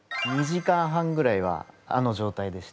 ２時間半ぐらいはあの状態でして。